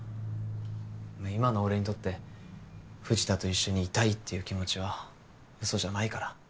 今の俺にとって藤田と一緒にいたいっていう気持ちは嘘じゃないから。